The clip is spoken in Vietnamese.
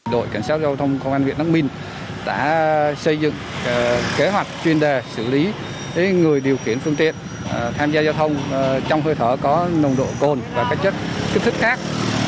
đội cảnh sát giao thông công an huyện đắc minh đã xây dựng kế hoạch chuyên đề xử lý người điều khiển phương tiện tham gia giao thông trong hơi thở có nồng độ cồn và các chất kích thích khác